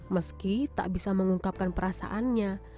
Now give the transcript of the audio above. meski tak bisa mengungkapkan perasaannya